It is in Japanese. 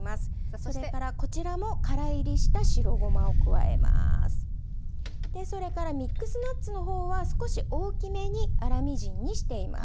それからミックスナッツの方は少し大きめに粗みじんにしています。